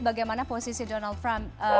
bagaimana posisi donald trump